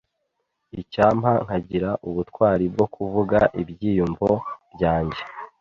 Icyampa nkagira ubutwari bwo kuvuga ibyiyumvo byanjye.